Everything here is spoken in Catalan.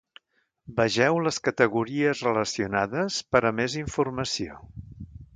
Vegeu les categories relacionades per a més informació.